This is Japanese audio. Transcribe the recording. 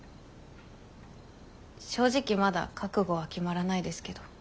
正直まだ覚悟は決まらないですけど。